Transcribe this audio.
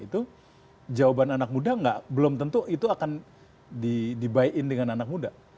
itu jawaban anak muda nggak belum tentu itu akan dibayin dengan anak muda